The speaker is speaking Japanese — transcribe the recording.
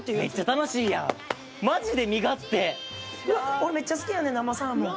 俺めっちゃ好きやねん生サーモン。